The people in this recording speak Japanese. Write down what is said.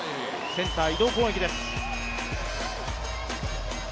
センター移動攻撃です。